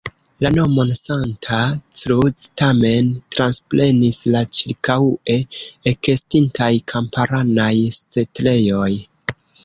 La nomon "Santa Cruz" tamen transprenis la ĉirkaŭe ekestintaj kamparanaj setlejoj.